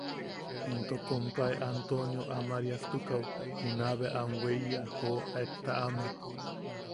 Into kompae Antonio Amariastukaʼu juna bea am weiya, ¡joo!, aet taʼame.